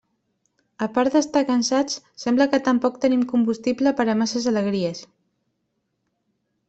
A part d'estar cansats, sembla que tampoc tenim combustible per a massa alegries.